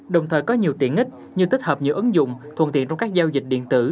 đồng thời có nhiều tiện ích như tích hợp nhiều ứng dụng thuận tiện trong các giao dịch điện tử